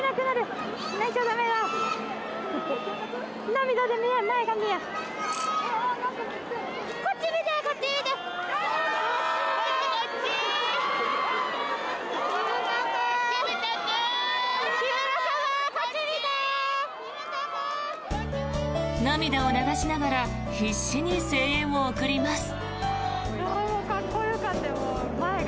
涙を流しながら必死に声援を送ります。